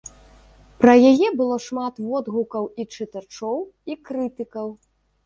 Пра яе было шмат водгукаў і чытачоў, і крытыкаў.